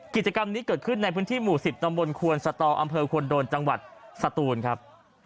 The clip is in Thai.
กิจกรรมนี้เกิดขึ้นในพื้นที่หมู่๑๐ตำบลควนสตออำเภอควนโดนจังหวัดสตูนครับ